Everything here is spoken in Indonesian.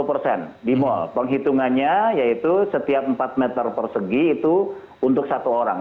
nah itu dihitungannya yaitu setiap empat meter persegi itu untuk satu orang